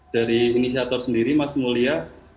dari inisiator sendiri mas mulia